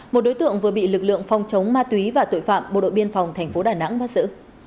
một đối tượng vừa bị lực lượng phòng chống ma túy và tội phạm bộ đội biên phòng tp đà nẵng bắt giữ